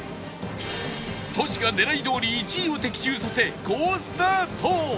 トシが狙いどおり１位を的中させ好スタート！